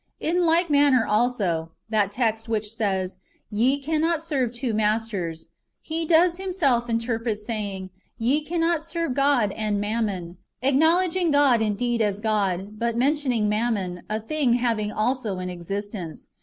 In like manner also, that [text] which says, ^' Ye cannot serve two masters," ^ He does Him self interpret, saying, "Ye cannot serve God and mammon;" acknowledging God indeed as God, but mentioning mammon, a thing having also an existence.